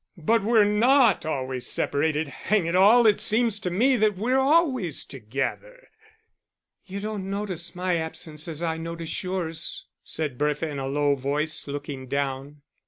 "But we're not always separated. Hang it all, it seems to me that we're always together." "You don't notice my absence as I notice yours," said Bertha in a low voice, looking down.